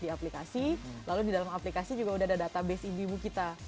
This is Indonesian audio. di aplikasi lalu di dalam aplikasi juga udah ada database ibu ibu kita